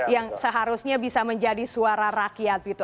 yang seharusnya bisa menjadi suara rakyat gitu